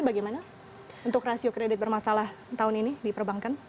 bagaimana untuk rasio kredit bermasalah tahun ini di perbankan